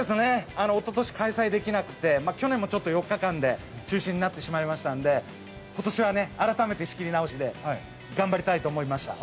一昨年、開催できなくて、去年も４日間で中止になってしまいましたので、今年は改めて仕切り直しで頑張りたいと思いました。